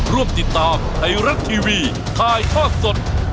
ร่วมติดตามไทยรัฐทีวีถ่ายทอดสด